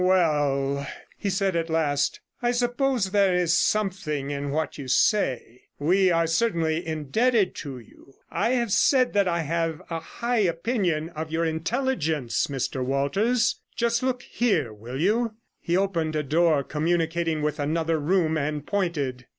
'Well,' he said at last, 'I suppose there is something in what you say. We are certainly indebted to you. I have said that I have a high opinion of your intelligence, Mr Walters. Just look here, will you?' He opened a door communicating with another room, and pointed.